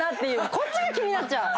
⁉こっちが気になっちゃう。